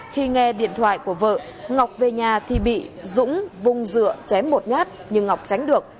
khi nghe điện thoại của vợ ngọc về nhà thì bị dũng vung dựa chém một nhát nhưng ngọc tránh được